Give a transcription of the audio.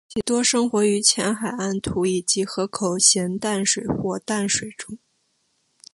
其多生活于浅海滩涂以及河口咸淡水或淡水中。